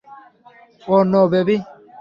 Oh no, baby!